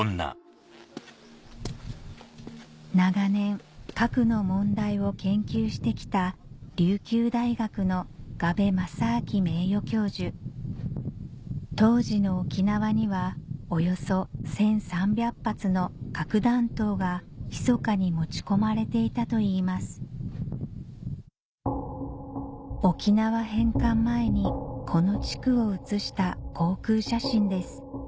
長年核の問題を研究してきた当時の沖縄にはおよそ１３００発の核弾頭がひそかに持ち込まれていたといいます沖縄返還前にこの地区を写した航空写真です